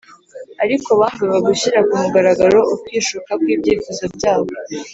ariko bangaga gushyira ku mugaragaro ukwishuka kw’ibyifuzo byabo